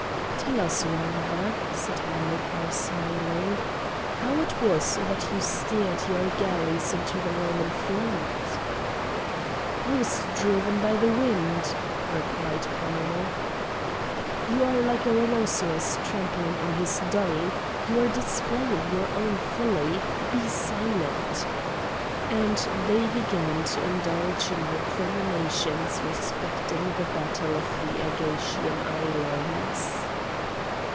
"Tell us rather," said Hamilcar, smiling, "how it was that you steered your galleys into the Roman fleet?" "I was driven by the wind," replied Hanno. "You are like a rhinoceros trampling on his dung: you are displaying your own folly! be silent!" And they began to indulge in recriminations respecting the battle of the Ægatian islands.